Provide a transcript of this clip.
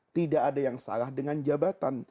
tidak ada yang salah dengan jabatan